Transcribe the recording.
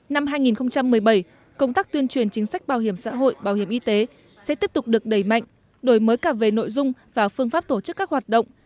năm hai nghìn một mươi bảy công tác tuyên truyền chính sách bảo hiểm xã hội bảo hiểm y tế sẽ tiếp tục được đẩy mạnh đổi mới cả về nội dung và phương pháp tổ chức các hoạt động